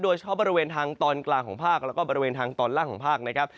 โดยเฉพาะบริเวณทางตอนกลางของภาคแล้วก็บริเวณทางตอนล่างของภาคนะครับ